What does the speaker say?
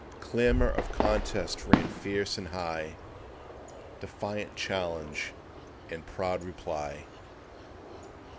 Clamor of contest ran fierce and high, Defiant challenge and proud reply.